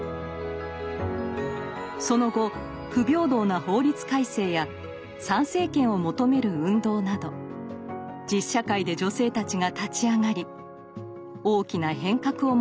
その後不平等な法律改正や参政権を求める運動など実社会で女性たちが立ち上がり大きな変革をもたらしました。